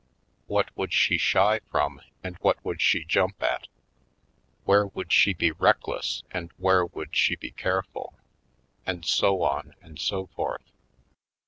What would she shy from, and what would she jump at? Where would she be reckless, and where would she be careful? And so on and so forth.